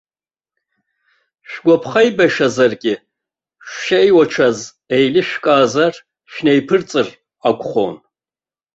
Шәаагәаԥхеибашьазаргьы, шәшеиуацәаз еилышәкаазар, шәнеиԥырҵыр акәхон.